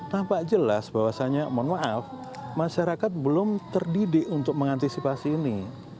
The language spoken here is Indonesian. nampak jelas bahwasannya mohon maaf masyarakat belum terdidik untuk mengantisipasi ini